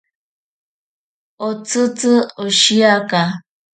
Otsitzi oshiaka.